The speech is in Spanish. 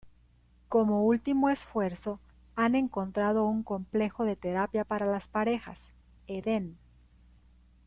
Como último esfuerzo, han encontrado un complejo de terapia para las parejas, "Eden".